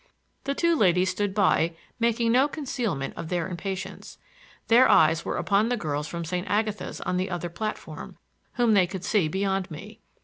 The two ladies stood by, making no concealment of their impatience. Their eyes were upon the girls from St. Agatha's on the other platform, whom they could see beyond me.